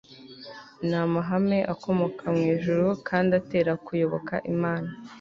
ni amahame akomoka mu ijuru kandi atera kuyoboka imana